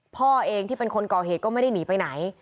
พ่อเองที่เป็นคนก่อเหตุก็ไม่ได้หนีไปไหน